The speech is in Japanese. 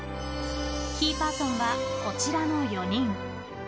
キーパーソンはこちらの４人。